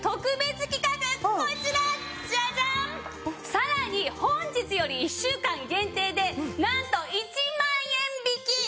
さらに本日より１週間限定でなんと１万円引き！